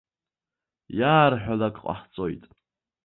Иаарҳәалак ҟаҳҵоит.